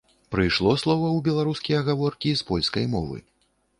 Прыйшло слова ў беларускія гаворкі з польскай мовы.